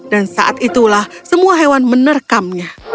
dan saat itulah semua hewan menerkamnya